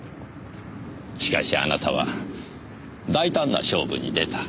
しかしあなたは大胆な勝負に出た。